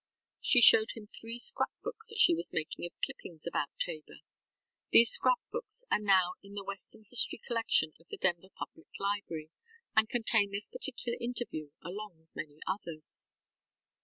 She showed him three scrapbooks that she was making of clippings about Tabor. (These scrapbooks are now in the Western History Collection of the Denver Public Library, and contain this particular interview along with many others.)